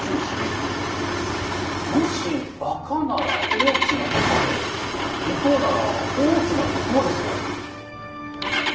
もしばかなら大きなばかで利口なら大きな利口ですろう。